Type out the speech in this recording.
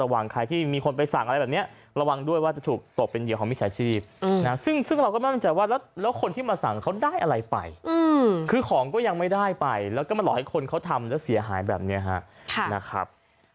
หลอกให้คนเขาทำจะเสียหายแบบนี้ฮะนะครับ